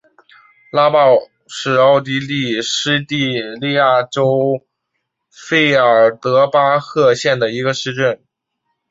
拉鲍是奥地利施蒂利亚州费尔德巴赫县的一个市镇。